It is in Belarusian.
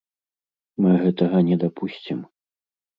Мы гэтага не дапусцім!